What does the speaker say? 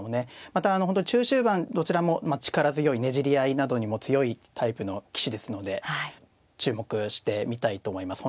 またあの本当中終盤どちらも力強いねじり合いなどにも強いタイプの棋士ですので注目してみたいと思います。